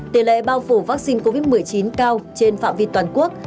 tỷ lệ bao phủ vaccine covid một mươi chín cao trên phạm vi toàn quốc